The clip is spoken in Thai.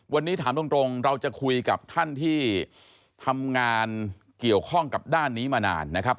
วันนี้ถามตรงเราจะคุยกับท่านที่ทำงานเกี่ยวข้องกับด้านนี้มานานนะครับ